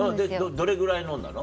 どれぐらい飲んだの？